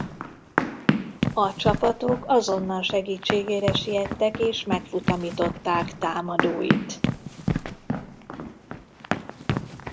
A csapatok azonnal segítségére siettek és megfutamították támadóit.